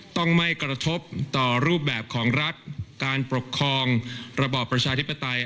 ต้องไม่กระทบต่อรูปแบบของรัฐการปกครองระบอบประชาธิปไตย